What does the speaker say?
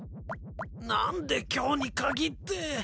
何で今日に限って。